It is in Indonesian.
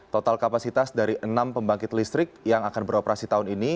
total kapasitas dari enam pembangkit listrik yang akan beroperasi tahun ini